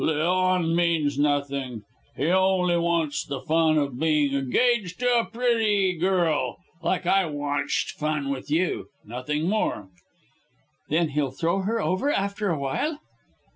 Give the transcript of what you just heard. Leon means nothing! He only wants the fun of being engaged to a pretty girl like I wantsh fun with you. Nothing more." "Then he'll throw her over after a while."